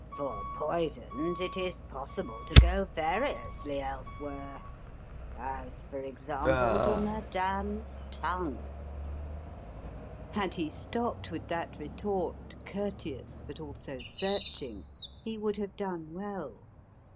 "For poisons it is possible to go variously elsewhere as, for example, to Madame's tongue." Had he stopped with that retort courteous, but also searching, he would have done well.